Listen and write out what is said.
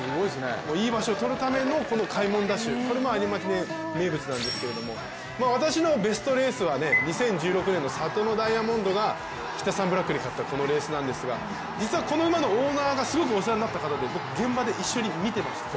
いい場所をとるための開門ダッシュ、これも有馬記念名物なんですけど私のベストレースは２０１６年のサトノダイヤモンドがキタサンブラックに勝ったこのレースなんですが実はこの馬の馬主の方、すごくお世話になった方で、僕、現場で一緒に見てました。